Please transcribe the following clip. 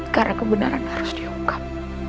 karena kebenaran harus diungkap